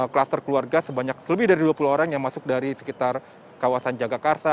kluster keluarga sebanyak lebih dari dua puluh orang yang masuk dari sekitar kawasan jagakarsa